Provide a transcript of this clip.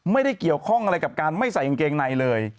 ไม่ได้เกี่ยวข้องอะไรกับการไม่ใส่กางเกงในเลย